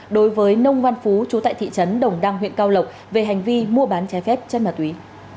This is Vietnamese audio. đối với nông văn phú chú tại thị trấn đồng đăng huyện cao lộc về hành vi mua bán trái phép chất ma túy